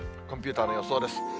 コンピューターの予想です。